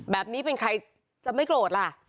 แบบนี้เป็นใครจะไม่โกรธล่ะ